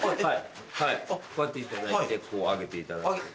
はいこうやっていただいてこう上げていただいて。